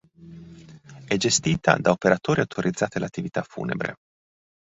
È gestita da operatori autorizzati all'attività funebre.